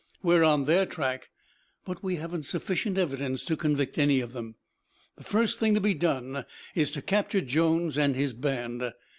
We are on their track, but we haven't sufficient evidence to convict any of them. The first thing to be done is to capture Jones and his band.